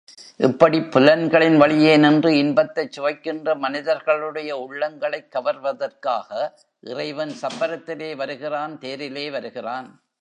இப்படிப் புலன்களின் வழியே நின்று இன்பத்தைச் சுவைக்கின்ற மனிதர்களுடைய உள்ளங்களைக் கவர்வதற்காக இறைவன் சப்பரத்திலே வருகிறான் தேரிலே வருகிறான்.